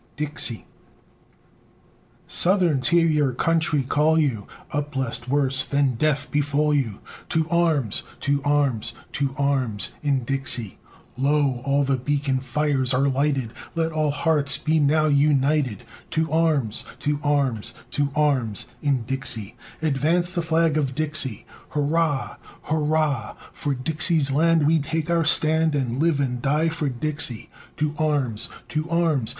DIXIE Southrons, hear your country call you! Up, lest worse than death befall you! To arms! To arms! To arms, in Dixie! Lo! all the beacon fires are lighted, Let all hearts be now united! To arms! To arms! To arms, in Dixie! Advance the flag of Dixie! Hurrah! hurrah! For Dixie's land we take our stand, And live and die for Dixie! To arms! To arms!